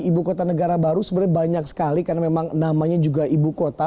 ibu kota negara baru sebenarnya banyak sekali karena memang namanya juga ibu kota